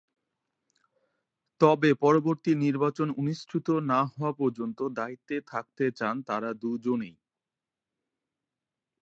তবে পরবর্তী নির্বাচন অনুষ্ঠিত না হওয়া পর্যন্ত দায়িত্বে থাকতে চান তারা দুজনই।